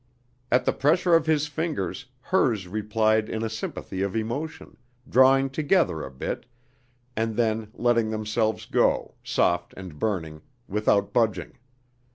At the pressure of his fingers hers replied in a sympathy of emotion, drawing together a bit, and then letting themselves go, soft and burning, without budging.